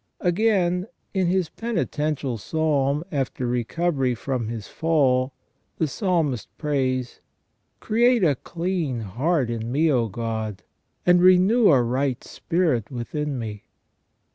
Again, in his penitential Psalm, after recovery from his fall, the Psalmist prays :" Create a clean heart in me, O God; and renew a right spirit within me".